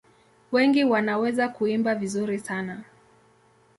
Wengi wanaweza kuimba vizuri sana.